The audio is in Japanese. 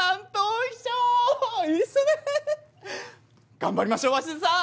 頑張りましょう鷲津さん！